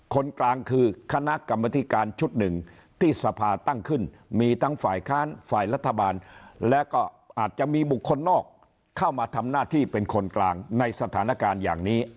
คนกลางคือคณะกรรมธิการชุดหนึ่งที่สภาตั้งขึ้นมีทั้งฝ่ายค้านฝ่ายรัฐบาลและก็อาจจะมีบุคคลนอกเข้ามาทำหน้าที่เป็นคนกลางในสถานการณ์อย่างนี้